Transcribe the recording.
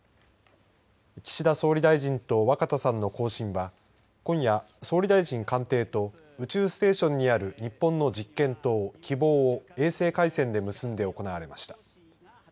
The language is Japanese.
岸田総理大臣と若田さんの交信は今夜、総理大臣官邸と宇宙ステーションにある日本の実験棟きぼうを衛星回線で結んで行われました。